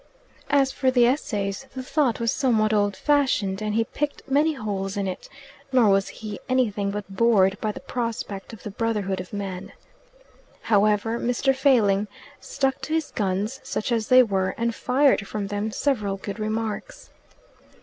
As for the Essays, the thought was somewhat old fashioned, and he picked many holes in it; nor was he anything but bored by the prospect of the brotherhood of man. However, Mr. Failing stuck to his guns, such as they were, and fired from them several good remarks.